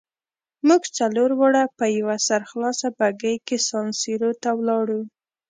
موږ څلور واړه په یوه سرخلاصه بګۍ کې سان سیرو ته ولاړو.